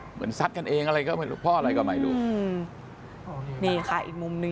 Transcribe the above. ซัดกันเองอะไรก็ไม่รู้เพราะอะไรก็ไม่รู้อืมนี่ค่ะอีกมุมหนึ่ง